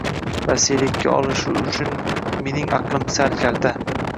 Vasiylikka olishi uchun mening aqlim sal kalta